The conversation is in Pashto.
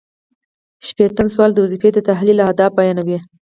شپیتم سوال د وظیفې د تحلیل اهداف بیانوي.